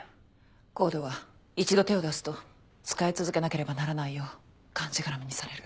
ＣＯＤＥは一度手を出すと使い続けなければならないようがんじがらめにされる。